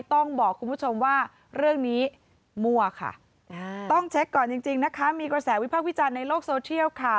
ต้องบอกคุณผู้ชมว่าเรื่องนี้มั่วค่ะต้องเช็คก่อนจริงนะคะมีกระแสวิพากษ์วิจารณ์ในโลกโซเชียลค่ะ